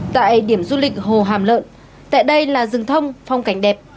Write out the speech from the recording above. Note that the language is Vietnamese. tại điểm du lịch hồ hàm lợn tại đây là rừng thông phong cảnh đẹp